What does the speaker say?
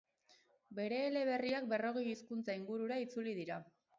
Bere eleberriak berrogei hizkuntza ingurura itzuli dira.